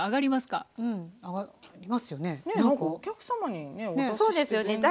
そうですよね。